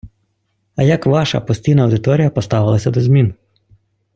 А як ваша постійна аудиторія поставилася до змін?